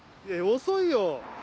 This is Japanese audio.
や遅いよ！